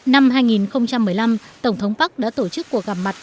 năm hai nghìn một mươi năm tổng thống park đã tổ chức cuộc gặp mặt